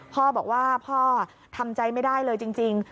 พ่อบอกว่าพ่อทำใจไม่ได้เลยจริง